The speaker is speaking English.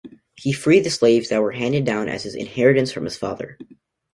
He freed the slaves that were handed down as his inheritance from his father.